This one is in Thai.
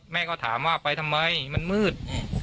แม่ก็ถามว่าไปทำไมมันมืด